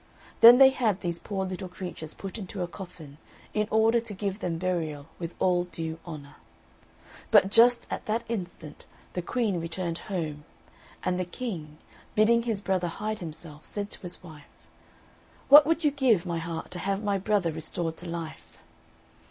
Then they had these poor little creatures put into a coffin, in order to give them burial with all due honour. But just at that instant the Queen returned home, and the King, bidding his brother hide himself, said to his wife, "What would you give, my heart, to have my brother restored to life?"